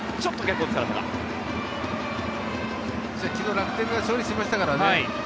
昨日、楽天が勝利しましたからね。